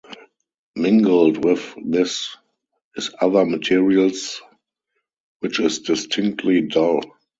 Mingled with this is other materials which is distinctly dull.